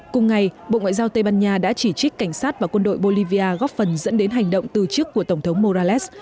cùng ngày bộ ngoại giao tây ban nha đã chỉ trích cảnh sát và quân đội bolivia góp phần dẫn đến hành động từ chức của tổng thống morales